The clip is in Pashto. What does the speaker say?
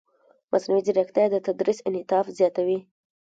مصنوعي ځیرکتیا د تدریس انعطاف زیاتوي.